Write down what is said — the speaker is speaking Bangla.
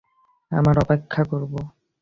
আমরা অপেক্ষা করব।